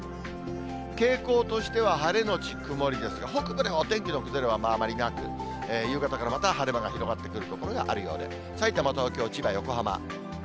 傾向としては、晴れ後曇りですが、北部ではお天気の崩れはあまりなく、夕方からまた晴れ間が広がってくる所があるようで、さいたま、東京、千葉、横浜。